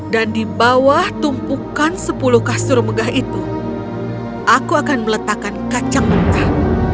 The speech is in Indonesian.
dan di bawah tumpukan sepuluh kasur megah itu aku akan meletakkan kacang mentah